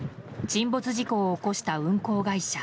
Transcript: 沈没事故を起こした運航会社